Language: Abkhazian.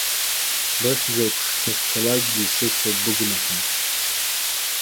Быхьӡ еиԥш сахьцалакгьы исыцуп быгәнаҳа.